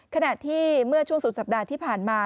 ขณะที่เมื่อช่วงสุดสัปดาห์ที่ผ่านมา